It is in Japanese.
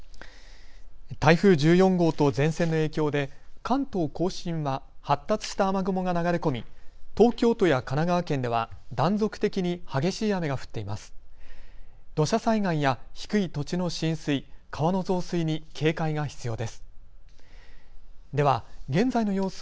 台風１４号と前線の影響で関東甲信は発達した雨雲が流れ込み東京都や神奈川県では断続的に激しい雨が降っています。